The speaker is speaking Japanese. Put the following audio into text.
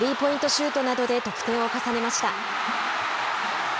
シュートなどで得点を重ねました。